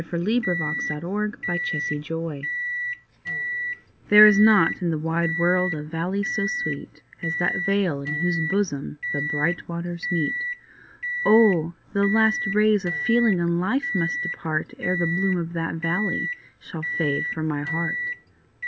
The Meeting of the Waters THERE is not in the wide world a valley so sweet As that vale in whose bosom the bright waters meet; Oh! the last rays of feeling and life must depart, Ere the bloom of that valley shall fade from my heart.